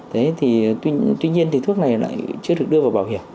đấy thì tuy nhiên thì thuốc này lại chưa được đưa vào bảo hiểm